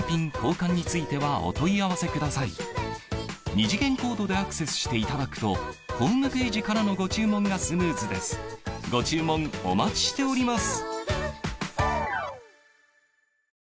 二次元コードでアクセスしていただくとホームページからのご注文がスムーズですご注文お待ちしております